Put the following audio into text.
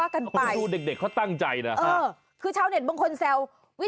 อันนั้นจดหมายส่วนตัว